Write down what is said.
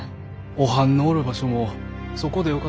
おはんのおる場所もそこでよかとか？